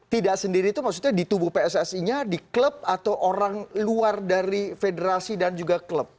tidak sendiri itu maksudnya di tubuh pssi nya di klub atau orang luar dari federasi dan juga klub